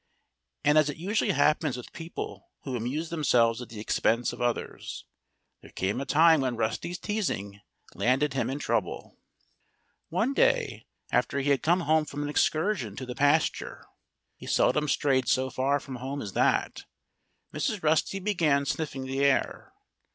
And as it usually happens with people who amuse themselves at the expense of others, there came a time when Rusty's teasing landed him in trouble. One day after he had come home from an excursion to the pasture (he seldom strayed so far from home as that!), Mrs. Rusty began sniffing the air.